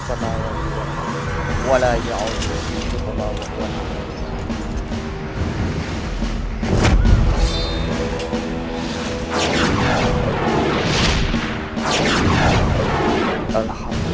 kukarip walainda hacer